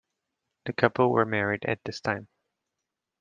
The couple were married at this time.